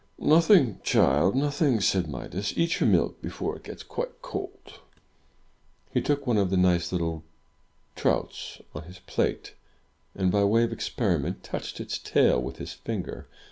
"Nothing, child, nothing!" said Midas. "Eat your milk, before it gets quite cold." He took one of the nice little trouts on his plate, and, byway of experiment, touched its tail with his finger.